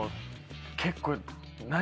結構。